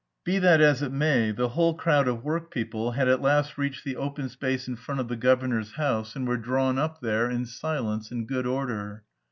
Be that as it may, the whole crowd of workpeople had at last reached the open space in front of the governor's house and were drawn up there in silence and good order.